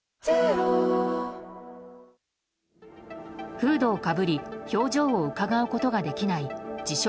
フードをかぶり表情をうかがうことができない自称